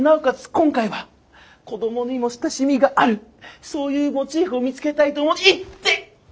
今回は子どもにも親しみがあるそういうモチーフを見つけたいとイッテ！